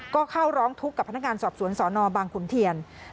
ก็เข้าร้องทุกข์กับพนักงานสอบสวนสนบางขุนเทียน